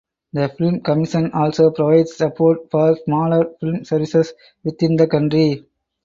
The Film Commission also provides support for smaller film services within the country.